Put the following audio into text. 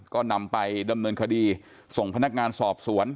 ก็นำไปดำเนินคดีส่งพนักงานสอบสวน